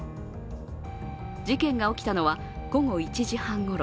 事件が起きたのは、午後１時半ごろ。